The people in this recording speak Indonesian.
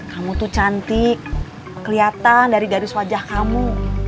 kamu tuh cantik keliatan dari dari swajah kamu